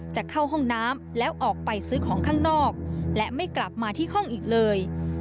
จะเข้าห้องน้ำแล้วออกไปซื้อของข้างนอกและไม่กลับมาที่ห้องอีกเลย